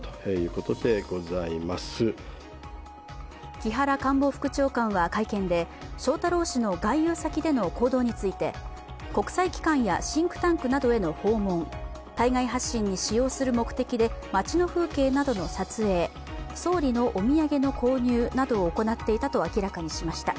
木原官房副長官は会見で翔太郎氏の外遊先での行動について国際機関やシンクタンクなどへの訪問、対外発信に使用する目的で街の風景などの撮影総理のお土産の購入などを行っていたと明らかにしました。